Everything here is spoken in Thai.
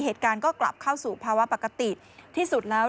เหตุการณ์ก็กลับเข้าสู่ภาวะปกติที่สุดแล้ว